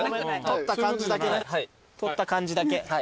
撮った感じだけ。